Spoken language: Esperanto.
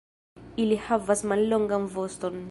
Ili havas mallongan voston.